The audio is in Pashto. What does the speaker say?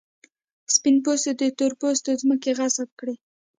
سپین پوستو د تور پوستو ځمکې غصب کړې.